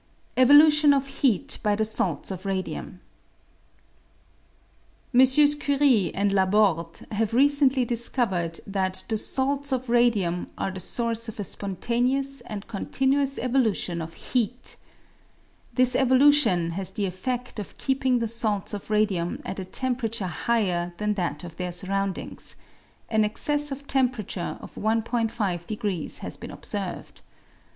Evolution of Heat by the Salts of Radium. MM. Curie and Laborde have recently discovered that the salts of radium are the source of a spontaneous and con tinuous evolution of heat. This evolution has the effeft of keeping the salts of radium at a temperature higher than that of their surroundings ; an excess of temperature of 1 5° has been observed.